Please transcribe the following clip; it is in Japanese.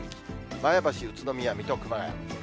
前橋、宇都宮、水戸、熊谷。